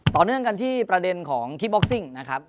ต่อเนื่องกันที่ประเด็นของคิปบ็อกซิ่งนะครับ